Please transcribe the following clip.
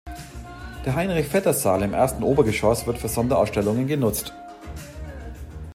Der Heinrich-Vetter-Saal im ersten Obergeschoss wird für Sonderausstellungen genutzt.